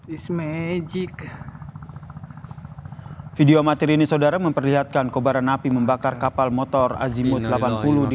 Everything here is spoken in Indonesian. ismejik hai video amatir ini saudara memperlihatkan kobaran api membakar kapal motor azimut delapan puluh di